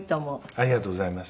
ありがとうございます。